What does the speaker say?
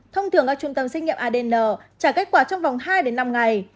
thông thường các trung tâm xét nghiệm adn trả kết quả trong vòng hai đến năm ngày